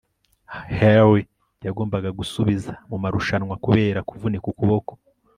harry yagombaga gusubira mu marushanwa kubera kuvunika ukuboko